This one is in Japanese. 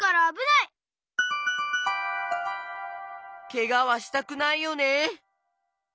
けがはしたくないよね。